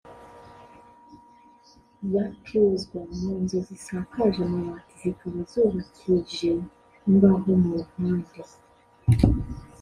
batuzwa mu nzu zisakaje amabati zikaba zubakije imbaho mu mpande